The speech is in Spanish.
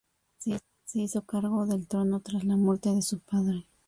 Se hizo cargo del trono tras la muerte de su padre.